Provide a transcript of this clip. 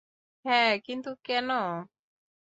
হ্যাঁ, কিন্তু কেন?